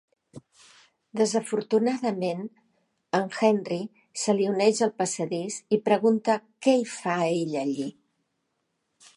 Desafortunadament, el Henry se li uneix al passadís i pregunta què hi fa ella allí.